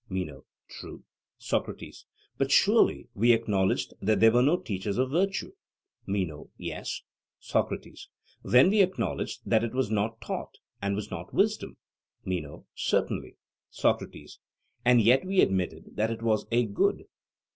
MENO: True. SOCRATES: But surely we acknowledged that there were no teachers of virtue? MENO: Yes. SOCRATES: Then we acknowledged that it was not taught, and was not wisdom? MENO: Certainly. SOCRATES: And yet we admitted that it was a good?